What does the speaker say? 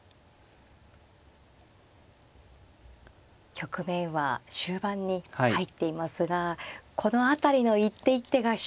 局面は終盤に入っていますがこの辺りの一手一手が勝敗に。